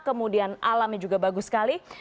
kemudian alamnya juga bagus sekali